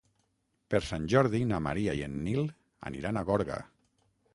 Per Sant Jordi na Maria i en Nil aniran a Gorga.